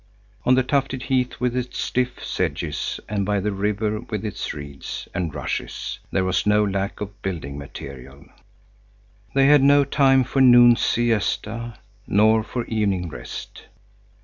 On the tufted heath with its stiff sedges and by the river with its reeds and rushes, there was no lack of building material. They had no time for noon siesta nor for evening rest.